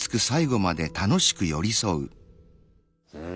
うん。